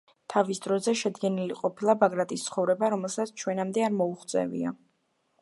თავის დროზე შედგენილი ყოფილა ბაგრატის „ცხოვრება“, რომელსაც ჩვენამდე არ მოუღწევია.